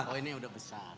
oh ini udah besar